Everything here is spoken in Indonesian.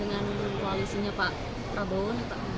dengan koalisinya pak prabowo